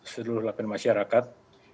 seluruh lapangan masyarakat